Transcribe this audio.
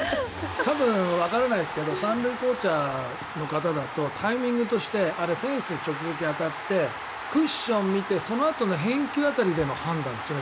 多分、わからないですが３塁コーチャーの方だとタイミングとしてフェンス直撃当たってクッション見てそのあと返球を見ての判断ですよね。